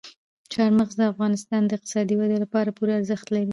چار مغز د افغانستان د اقتصادي ودې لپاره پوره ارزښت لري.